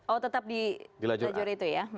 oh tetap di lajur itu ya